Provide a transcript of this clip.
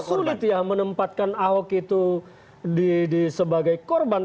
agak sulit ya menempatkan ahok itu sebagai korban